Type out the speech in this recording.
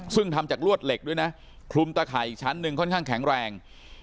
ซึ่งทำจากลวดเหล็กด้วยนะคลุมตะข่ายอีกชั้นหนึ่งค่อนข้างแข็งแรง